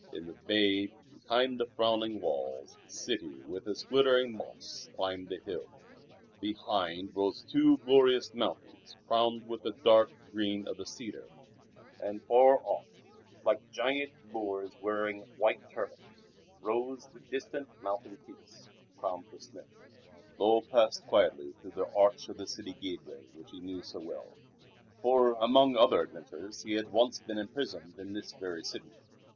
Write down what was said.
In the bay behind the frowning walls the city with its glittering mosques climbed the hill. Behind rose two glorious mountains crowned with the dark green of the cedar. And, far off, like giant Moors wearing white turbans, rose the distant mountain peaks crowned with snow. Lull passed quietly through the arch of the city gateway which he knew so well, for among other adventures he had once been imprisoned in this very city.